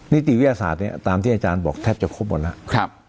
นิติวิทยาศาสตร์เนี่ยตามที่อาจารย์บอกแทบจะครบหมดแล้ว